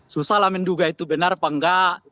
susah lah menduga itu benar apa enggak